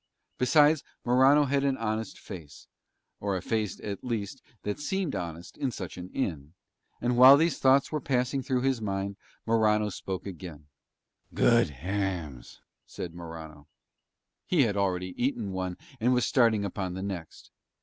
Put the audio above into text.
Besides Morano had an honest face, or a face at least that seemed honest in such an inn: and while these thoughts were passing through his mind Morano spoke again: "Good hams," said Morano. He had already eaten one and was starting upon the next.